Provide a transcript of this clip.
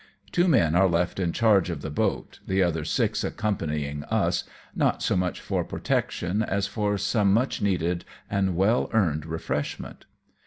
Two men are left in charge of the boatj the other six accompanying us, not so much for protection, as for some much needed and well earned refreshment.